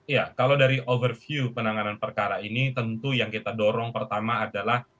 ya kalau dari overview penanganan perkara ini tentu yang kita dorong pertama adalah